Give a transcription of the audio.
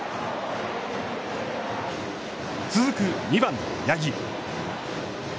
続く２番の八木。